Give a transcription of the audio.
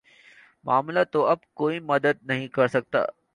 معاملہ تو اب کوئی مدد نہیں کر سکتا